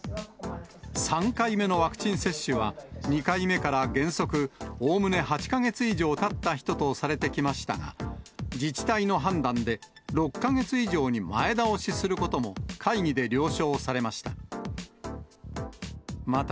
３回目のワクチン接種は、２回目から原則、おおむね８か月以上たった人とされてきましたが、自治体の判断で、６か月以上に前倒しすることも会議で了承されました。